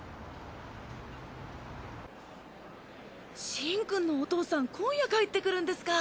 シンくんのお父さん今夜帰ってくるんですか。